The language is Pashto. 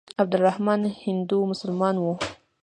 عبدالرحمن هندو مسلمان وو.